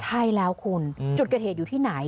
ใช่แล้วคุณจุดเกิดเหตุอยู่ที่ไหน